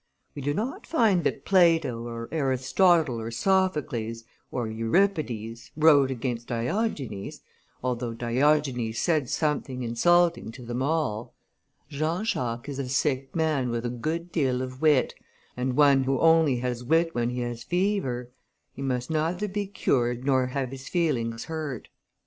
We do not find that Plato, or Aristotle, or Sophocles, or Euripides, wrote against Diogenes, although Diogenes said something insulting to them all. Jean Jacques is a sick man with a good deal of wit, and one who only has wit when he has fever; he must neither be cured nor have his feelings hurt."